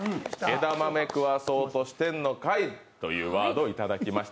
枝豆食わそうとしてんのかいというワードをいただきました。